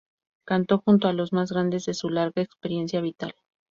Cantó junto a los más grandes de su larga experiencia vital.